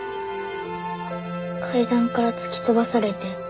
階段から突き飛ばされて。